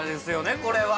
これは！